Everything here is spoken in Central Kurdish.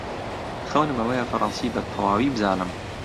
خەونم ئەوەیە فەڕەنسی بەتەواوی بزانم.